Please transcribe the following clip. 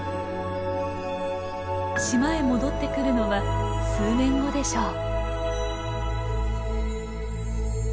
島へ戻ってくるのは数年後でしょう。